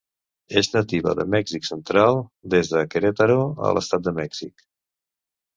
És nativa de Mèxic Central, des de Querétaro a l'estat de Mèxic.